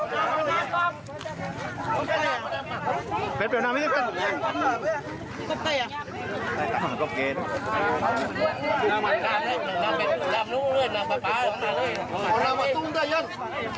อ๋อได้ตรงหน่อยสิตรงหน่อยกันสิ